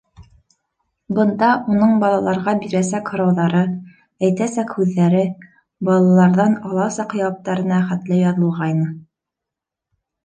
Бында уның балаларға бирәсәк һорауҙары, әйтәсәк һүҙҙәре, балаларҙан аласаҡ яуаптарына хәтле яҙылғайны.